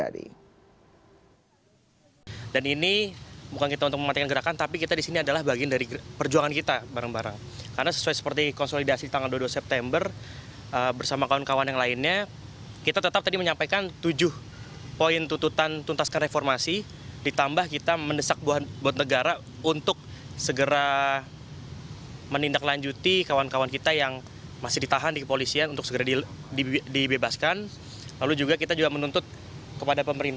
dan kami tidak percaya kepada wakil rakyat kami